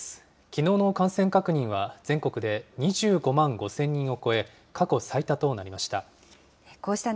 きのうの感染確認は全国で２５万５０００人を超え、過去最多となりました。